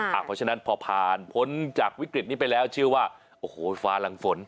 เพราะฉะนั้นพอผ่านพ้นจากวิกฤตนี้ไปแล้วเชื่อว่าโอ้โหฟ้าหลังฝน